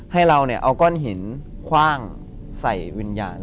ให้เราเอาก้อนหินคว่างใส่วิญญาณ